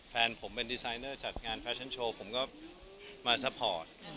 แฟนผมเป็นดีไซเนอร์จัดงานแฟชั่นโชว์ผมก็มาซัพพอร์ต